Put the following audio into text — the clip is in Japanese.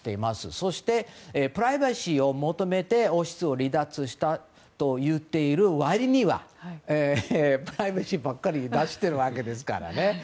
そして、プライバシーを求めて王室を離脱したと言ってる割にはプライバシーばかり出しているわけですからね。